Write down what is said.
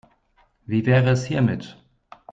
Wie wäre es hiermit?